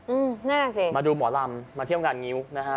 อื้มแน่นอนสิมาดูหมอนลำมาเที่ยวงานงิวนะฮะ